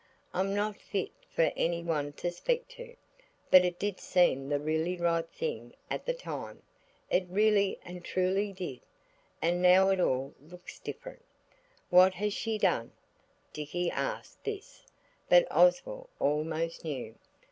I'm not fit for any one to speak to. But it did seem the really right thing at the time, it really and truly did. And now it all looks different." "What has she done?" Dicky asked this, but Oswald almost knew.